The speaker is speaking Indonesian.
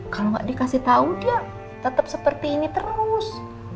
kalau gak dikasih tau dia tetep seperti ini terus